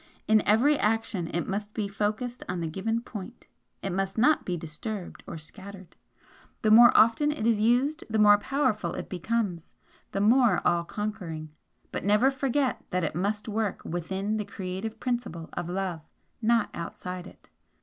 In every action it must be focused on the given point it must not be disturbed or scattered. The more often it is used the more powerful it becomes the more all conquering. But never forget that it must work WITHIN the Creative Principle of Love not outside it."